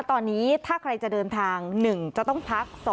ตอนนี้ถ้าใครจะเดินทาง๑จะต้องพัก